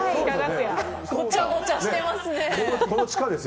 ごちゃごちゃしてますね。